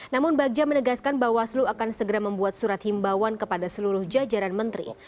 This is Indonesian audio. namun bagja menegaskan bawaslu akan segera membuat surat himbawan kepada seluruh jajaran menteri